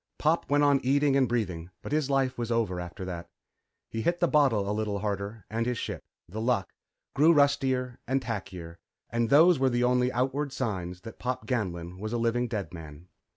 Pop went on eating and breathing, but his life was over after that. He hit the bottle a little harder and his ship, The Luck, grew rustier and tackier, and those were the only outward signs that Pop Ganlon was a living dead man.